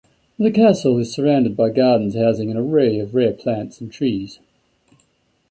The Castle is surrounded by gardens housing an array of rare plants and trees.